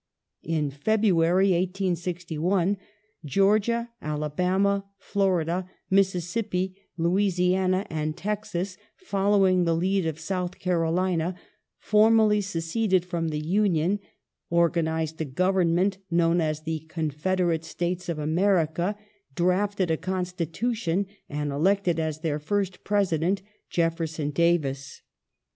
In February, 1861, Georgia, Alabama, Florida, Mississippi, Louisiana, and Texas following the lead of South Carolina, formally seceded from the Union, organized a Government known as the "Confederate States of America"; drafted a Constitution and elected, as their first President, Jeffer son Davis.